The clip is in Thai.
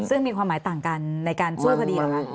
ซึ่งมีความหมายต่างกันในการสู้พอดีหรือเปล่า